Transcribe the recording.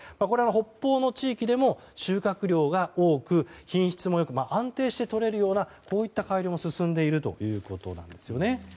北方の地域でも収穫量が多く品質も良く安定してとれるような改良を進めているということです。